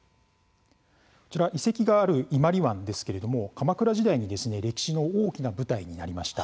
遺跡がある伊万里湾ですけれども鎌倉時代に歴史の大きな舞台になりました。